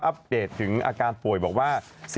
ปเดตถึงอาการป่วยบอกว่า